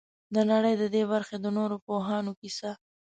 د نړۍ د دې برخې د نورو پوهانو کیسه.